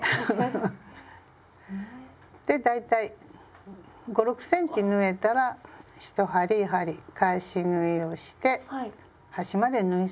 で大体５６ｃｍ縫えたら１針やはり返し縫いをして端まで縫い進んでください。